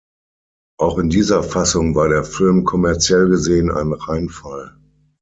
Auch in dieser Fassung war der Film kommerziell gesehen ein Reinfall.